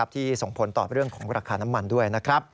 ที่ส่งผลต่อเรื่องของราคาน้ำมันด้วยนะครับ